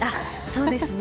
そうですね。